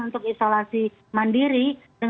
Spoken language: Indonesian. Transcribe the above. untuk isolasi mandiri